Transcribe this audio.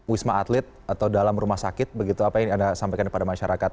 wisma atlet atau dalam rumah sakit begitu apa yang anda sampaikan kepada masyarakat